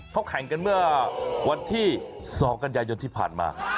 เขาแข่งกันเมื่อวันที่๒กันยายนที่ผ่านมา